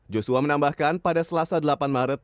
joshua menambahkan pada selasa delapan maret